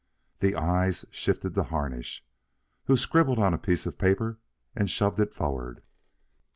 The eyes shifted to Harnish, who scribbled on a piece of paper and shoved it forward.